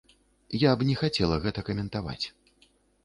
Я б не хацела гэта каментаваць.